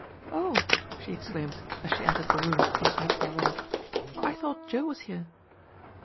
"Oh" she exclaimed, as she entered the room and was met by Ronald, "I thought Joe was here."